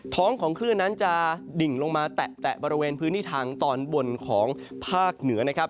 ท้องของคลื่นนั้นจะดิ่งลงมาแตะบริเวณพื้นที่ทางตอนบนของภาคเหนือนะครับ